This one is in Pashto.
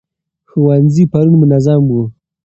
ښوونځي پرون منظم وو.